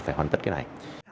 phải hoàn tất cái này